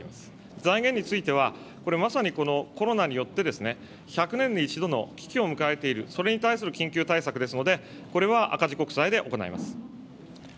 財源については、これ、まさにこのコロナによって、１００年に１度の危機を迎えている、それに対する緊急対策ですので、これは赤字国債で行います。